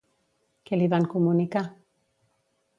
Què li van comunicar?